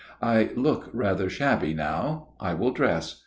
I look rather shabby now; I will dress.